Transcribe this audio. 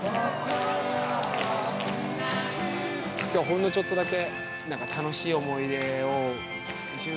今日はほんのちょっとだけ